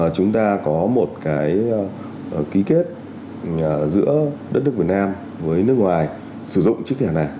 nếu như chúng ta có một ký kết giữa đất nước việt nam với nước ngoài sử dụng chiếc thẻ này